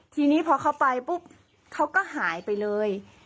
ทีนี้พอเขาไปปุ๊บเขาก็หายไปเลย